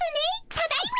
ただいま。